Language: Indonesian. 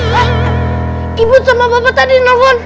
hah ibut sama bapak tadi nelfon